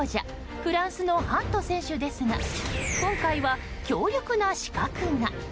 フランスのハント選手ですが今回は強力な刺客が。